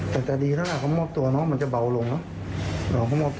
แต่จะดีถ้าค่ะเค้ามอบตัวมันจะเบาลงนะ